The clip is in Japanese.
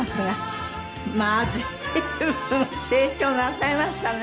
まあ随分成長なさいましたね！